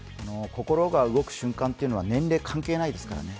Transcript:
心が動く瞬間というのは年齢関係ないですからね。